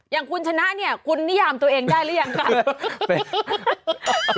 อย่างคุณชนะเนี่ยคุณนิยามตัวเองได้หรือยังคะ